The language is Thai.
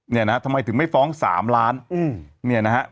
เนี่ยนะฮะทำไมถึงไม่ฟ้อง๓ล้านเนี่ยนะฮะ